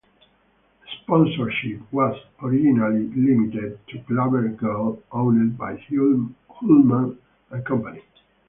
Sponsorship was originally limited to Clabber Girl, owned by Hulman and Company.